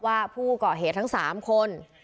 ว่าผู้ก่อเหตุทั้ง๓คน